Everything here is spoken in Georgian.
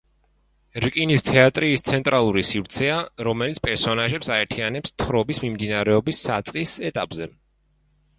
რკინის თეატრი ის ცენტრალური სივრცეა, რომელიც პერსონაჟებს აერთიანებს თხრობის მიმდინარეობის საწყის ეტაპზე.